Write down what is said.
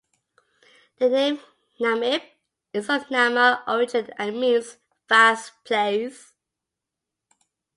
The name "Namib" is of Nama origin and means "vast place".